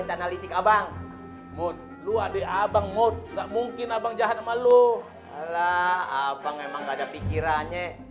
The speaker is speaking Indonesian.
abang mud lu adik abang mod nggak mungkin abang jahat sama lu alah abang emang nggak ada pikirannya